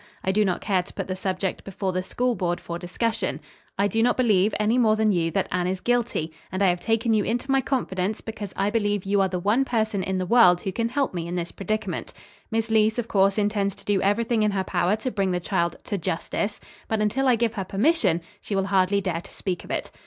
I do not care to put the subject before the School Board for discussion. I do not believe, any more than you, that Anne is guilty and I have taken you into my confidence because I believe you are the one person in the world who can help me in this predicament. Miss Leece, of course, intends to do everything in her power to bring the child 'to justice.' But, until I give her permission, she will hardly dare to speak of it.